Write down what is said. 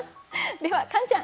ではカンちゃん。